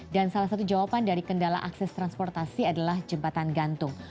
dan salah satu jawaban dari kendala akses transportasi adalah jembatan gantung